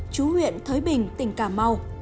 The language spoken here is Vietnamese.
chú huyện thới bình tỉnh cà mau